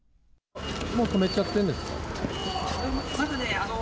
もう止めちゃってるんですか？